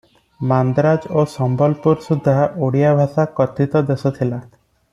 ମାନ୍ଦ୍ରାଜ ଓ ସମ୍ବଲପୁର ସୁଦ୍ଧା ଓଡ଼ିଆ ଭାଷା କଥିତ ଦେଶ ଥିଲା ।